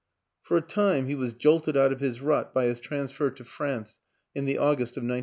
For a time he was jolted out of his rut by his transfer to France in the August of 1916.